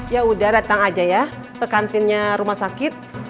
yaudah datang aja ya ke kantinnya rumah sakit